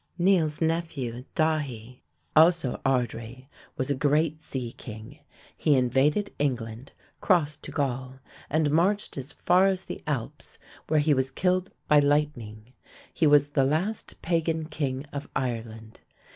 Niall's nephew, Dathi, also ard ri, was a great sea king. He invaded England, crossed to Gaul, and marched as far as the Alps, where he was killed by lightning. He was the last pagan king of Ireland.